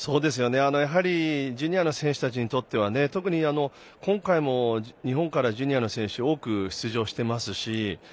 やはりジュニアの選手たちにとっては特に今回も日本からジュニアの選手が多く出場していますし。